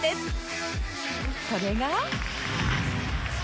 それが